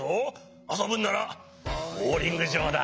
あそぶんならボウリングじょうだ。